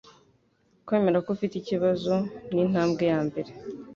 Kwemera ko ufite ikibazo nintambwe yambere